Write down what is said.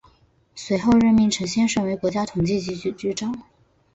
随后任命陈先为国家统计局局长。